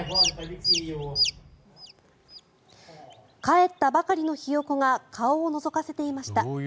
かえったばかりのヒヨコが顔をのぞかせていました。